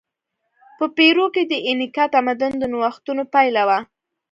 په پیرو کې د اینکا تمدن د نوښتونو پایله وه.